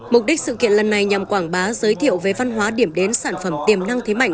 mục đích sự kiện lần này nhằm quảng bá giới thiệu về văn hóa điểm đến sản phẩm tiềm năng thế mạnh